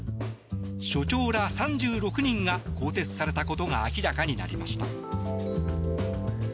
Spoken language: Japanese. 所長ら３６人が更迭されたことが明らかになりました。